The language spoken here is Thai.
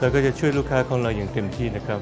ก็จะช่วยลูกค้าของเราอย่างเต็มที่นะครับ